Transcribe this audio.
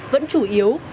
vẫn chủ yếu